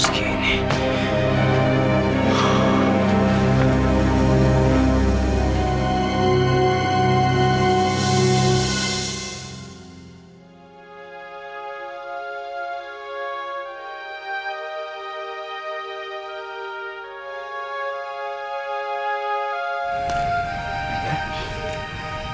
aku tak tahu apa yang terjadi